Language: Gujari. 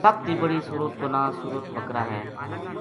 سب تے بڑٰی سورت کو ناں سورت بقرہ ہے۔